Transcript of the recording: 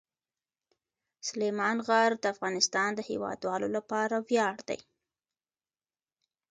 سلیمان غر د افغانستان د هیوادوالو لپاره ویاړ دی.